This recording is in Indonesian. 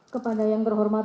kepada yang terhormat